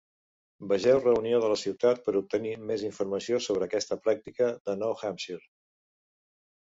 "Vegeu Reunió de la ciutat per obtenir més informació sobre aquesta pràctica a Nou Hampshire"